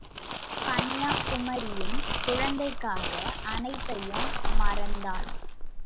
கன்யாகுமரியும் குழந்தைக்காக அனைத்தையும் மறந்தாள்.